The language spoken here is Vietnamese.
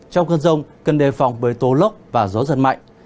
trong cơn rông cần đề phòng với tố lốc và gió giật mạnh